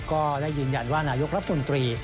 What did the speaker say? ก็ได้ยืนยันว่านายกรัฐมนตรี